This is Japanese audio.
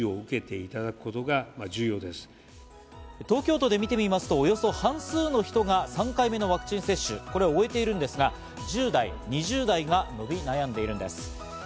東京都で見てみますと、およそ半数の人が３回目のワクチン接種を終えているんですが、１０代、２０代が伸び悩んでいるんです。